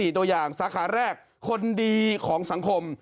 ตัวอย่างสาขาแรกคนดีของสังคม